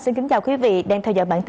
sẽ có trong